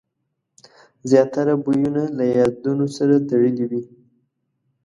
زیاتره بویونه له یادونو سره تړلي وي.